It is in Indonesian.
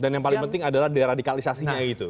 dan yang paling penting adalah deradikalisasinya itu